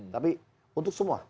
tapi untuk semua